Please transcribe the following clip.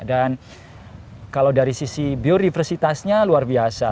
dan kalau dari sisi biodiversitasnya luar biasa